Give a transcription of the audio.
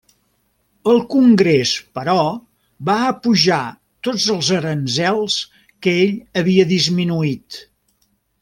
El Congrés, però, va apujar tots els aranzels que ell havia disminuït.